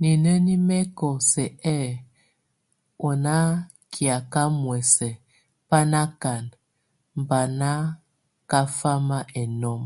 Nineni mɛkɔ sɛk ɛ̂, o nákiaka muɛs ba nakan, bá nakafam enɔm.